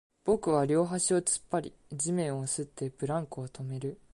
僕は両足を突っ張り、地面を擦って、ブランコを止める